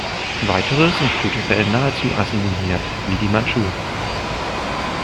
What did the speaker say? Weitere sind kulturell nahezu assimiliert, wie die Mandschu.